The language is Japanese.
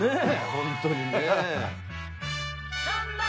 本当にね。